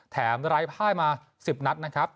แถมไลฟ์ไห้มา๑๐นัดนะครับ